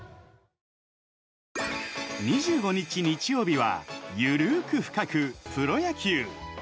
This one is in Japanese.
２５日、日曜日は「ゆるく深く！プロ野球」。